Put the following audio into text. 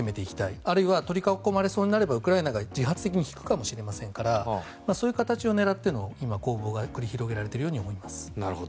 あるいは取り囲まれそうになればウクライナが自発的に引くかもしれませんからそういう形を狙っての今、攻防が繰り広げられているように思います。